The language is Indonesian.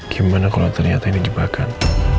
gimana kalau ternyata ini jebakan